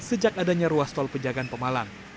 sejak adanya ruas tol penjagaan pemalang